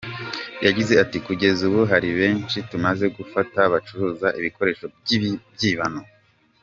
Yagize ati“Kugeza ubu hari benshi tumaze gufata bacuruza ibikoresho by’ibyibano.